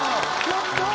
やった！